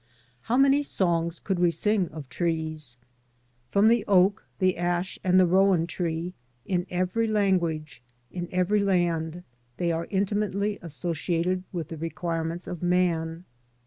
How many songs could we sing of trees? From tlbe oak, the ash, and the rowan tree, in every language, in every land, they are intimately associated with the requirements of man.